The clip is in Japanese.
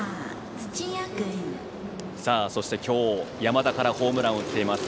さあ、そして今日、山田からホームランを打っています